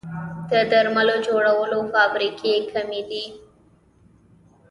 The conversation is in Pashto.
د درملو جوړولو فابریکې کمې دي